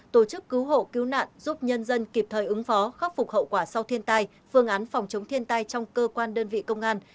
tổ chức cứu hộ cứu nạn giúp nhân dân kịp thời ứng phó khắc phục hậu quả sau thiên tai phương án phòng chống thiên tai trong cơ quan đơn vị công an